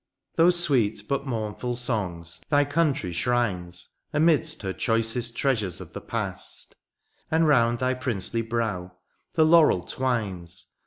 Those sweet but mournful songs thy country shrines Amid her choicest treasures of the past. And round thy princely brow the laurel twines.